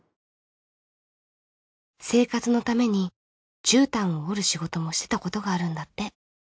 生活のために絨毯を織る仕事もしてたことがあるんだって。